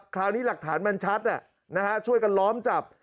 คราวนี้หลักฐานมันชัดช่วยกันล้อมจับ